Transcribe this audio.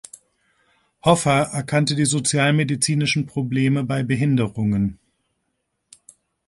Hoffa erkannte die sozialmedizinischen Probleme bei Behinderungen.